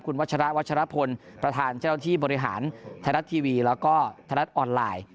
คุณวัชระวัชรพลประธานเจ้าหน้าที่บริหารไทยรัฐทีวีแล้วก็ไทยรัฐออนไลน์